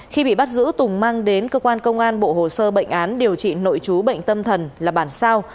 khi bị bắt giữ tùng mang đến cơ quan công an bộ hồ sơ bệnh án điều trị nội chú bệnh tâm thần là bản sao